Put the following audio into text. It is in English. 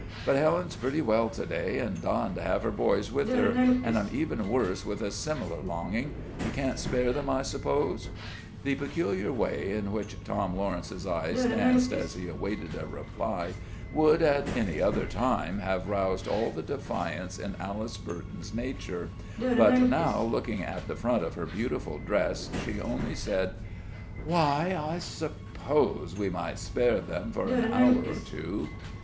But Helen's pretty well to day, and dying to have her boys with her, and I'm even worse with a similar longing. You can't spare them, I suppose?" The peculiar way in which Tom Lawrence's eyes danced as he awaited a reply would, at any other time, have roused all the defiance in Alice Burton's nature; but now, looking at the front of her beautiful dress, she only said: "Why I suppose we might spare them for an hour or two!"